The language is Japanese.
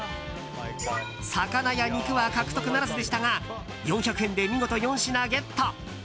魚や肉は獲得ならずでしたが４００円で見事４品ゲット。